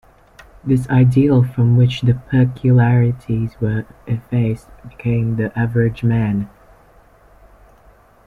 This ideal from which the peculiarities were effaced became "the average man".